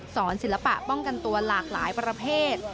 ศิลปะป้องกันตัวหลากหลายประเภท